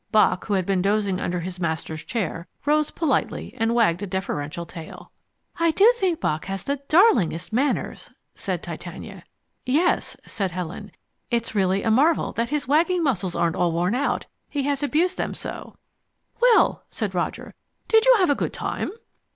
Bock, who had been dozing under his master's chair, rose politely and wagged a deferential tail. "I do think Bock has the darlingest manners," said Titania. "Yes," said Helen, "it's really a marvel that his wagging muscles aren't all worn out, he has abused them so." "Well," said Roger, "did you have a good time?"